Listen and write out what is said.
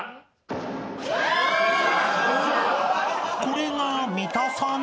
［これが三田さん？］